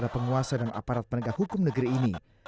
penguasa dan aparat penegak hukum negeri ini